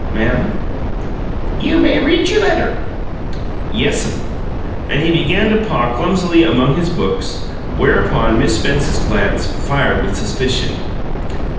"Ma'am?" "You may read your letter." "Yes'm." And he began to paw clumsily among his books, whereupon Miss Spence's glance fired with suspicion.